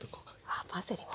ああパセリも。